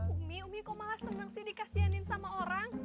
umi umi kok malah seneng sih dikasihanin sama orang